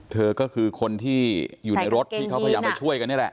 เธอก็คือคนที่อยู่ในรถที่เขาพยายามไปช่วยกันนี่แหละ